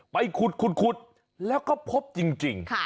ไปขุดแล้วก็พบจริง